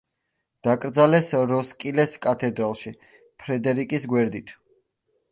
დაკრძალეს როსკილეს კათედრალში, ფრედერიკის გვერდით.